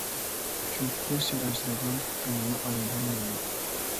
چۈنكى سەن ئەنسىرەيدىغان، كۆڭلىنى ئايايدىغان مەن يوق!